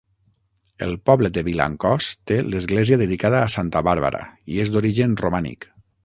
El poble de Vilancòs té l'església dedicada a santa Bàrbara, i és d'origen romànic.